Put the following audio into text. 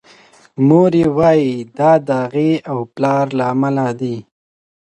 مور یې وايي دا د هغې او پلار له امله دی.